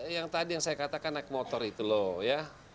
yang tadi yang saya katakan naik motor itu loh ya